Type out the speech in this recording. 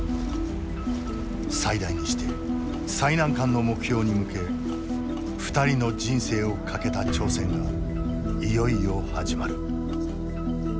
最大にして最難関の目標に向け２人の人生を懸けた挑戦がいよいよ始まる。